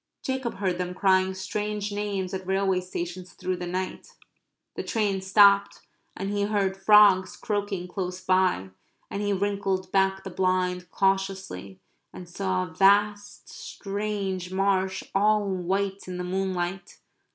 Jacob heard them crying strange names at railway stations through the night. The train stopped and he heard frogs croaking close by, and he wrinkled back the blind cautiously and saw a vast strange marsh all white in the moonlight.